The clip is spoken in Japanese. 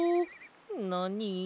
なに？